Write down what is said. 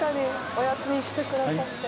お休みしてくださって。